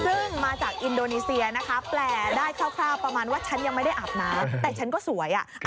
ซึ่งมาจากอินโดนีเซียนะคะแปลได้คร่าวประมาณว่าฉันยังไม่ได้อาบน้ำแต่ฉันก็สวย